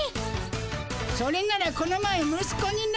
それならこの前息子にの。